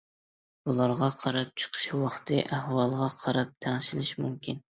بۇلارغا قاراپ چىقىش ۋاقتى ئەھۋالغا قاراپ تەڭشىلىشى مۇمكىن.